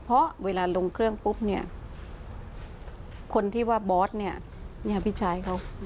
เพราะเวลาลงเครื่องปุ๊บเนี่ยคนที่ว่าบอสเนี่ยพี่ชายเขา